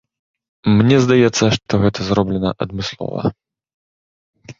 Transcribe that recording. Мне здаецца, што гэта зроблена адмыслова.